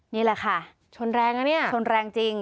นี่แหละค่ะชนแรงนะเนี่ยชนแรงจริง